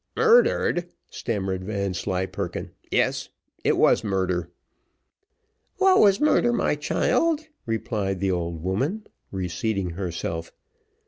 "Murdered!" stammered Vanslyperken; "yes it was murder." "What was murder, my child?" replied the old woman, reseating herself.